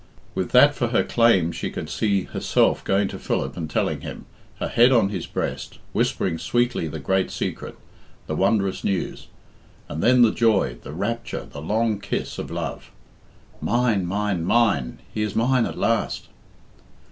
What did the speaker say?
With that for her claim she could see herself going to Philip and telling him, her head on his breast, whispering sweetly the great secret the wondrous news. And then the joy, the rapture, the long kiss of love! "Mine, mine, mine! he is mine at last!"